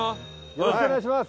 よろしくお願いします。